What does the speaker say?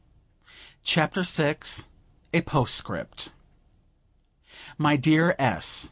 CHAPTER VI A POSTSCRIPT. My Dear S.